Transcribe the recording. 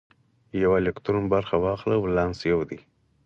که یو الکترون برخه واخلي ولانس یو دی.